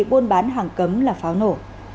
buôn bán hàng cấm là pháo nổ